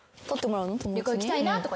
「旅行行きたいな」とか。